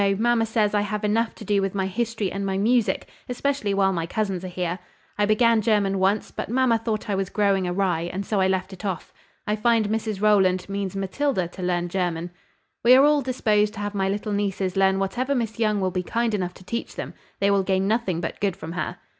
Mamma says, I have enough to do with my history and my music; especially while my cousins are here. I began German once, but mamma thought I was growing awry, and so I left it off. I find Mrs Rowland means Matilda to learn German." "We are all disposed to have my little nieces learn whatever Miss Young will be kind enough to teach them; they will gain nothing but good from her."